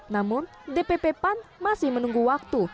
namun dpp pan masih menunggu waktu